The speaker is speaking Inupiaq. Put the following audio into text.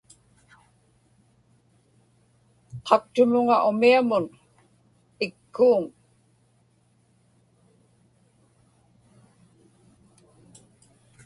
qaktumuŋa umiamun ikkuuŋ